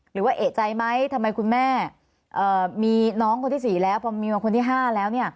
หรือว่าเอกใจไหมทำไมคุณแม่มีน้องคนที่๔แล้วพอมีมาคนที่๕แล้ว